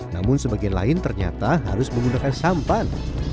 namun sebagian lain ternyata harus menggunakan sampan